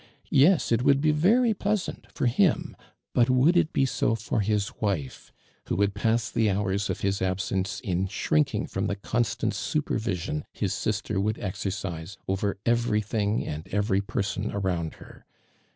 Yea, it would ho very plousant for him, hut would it he so for yiis wife, who would pass the hours of his ah Hence in shrinking from the constant miper vision his sister would oxorri'^f over every thuig and every i)ei"son arouu'l her?